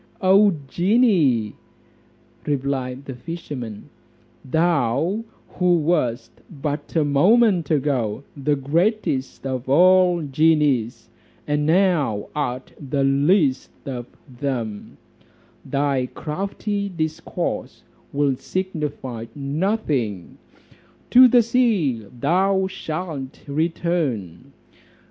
"O genie!" replied the fisherman, "thou who wast but a moment ago the greatest of all genies, and now art the least of them, thy crafty discourse will signify nothing, to the sea thou shalt return.